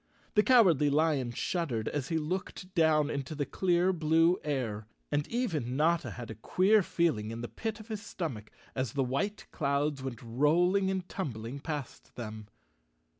The Cowardly Lion shuddered as he looked down into the clear blue air, and even Notta had a queer feeling in the pit of his stomach as the white clouds went rolling and tumbling past them.